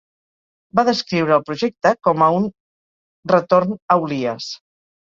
Va descriure el projecte com a un "retorn a Olias".